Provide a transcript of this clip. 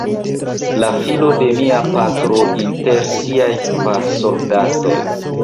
La filo de mia patro, inter siaj kvar soldatoj.